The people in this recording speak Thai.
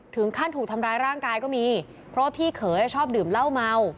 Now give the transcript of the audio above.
ถึงขั้นถูกทำร้ายร่างกายก็มีเพราะพี่เขาชอบดื่มเหล้าเมา